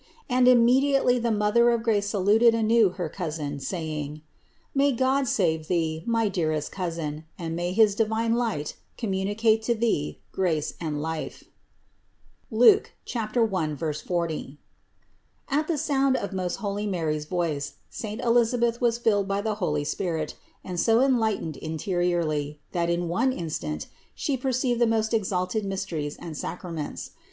And immediately the Mother of grace saluted anew her cousin saying: "May God save thee, my dearest cousin, and may his divine light communicate to thee grace and life" (Luke 1, 40). At the sound of most holy Mary's voice, saint Elisabeth was filled by the Holy Ghost and so enlight ened interiorly, that in one instant she perceived the most exalted mysteries and sacraments.